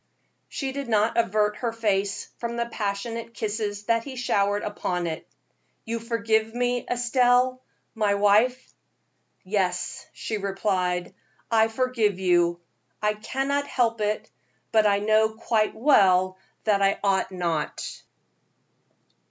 She did not avert her face from the passionate kisses that he showered upon it. "You forgive me, Estelle, my wife?" "Yes," she replied, "I forgive you; I cannot help it; but I know quite well that I ought not."